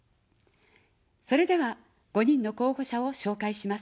それでは、５人の候補者を紹介します。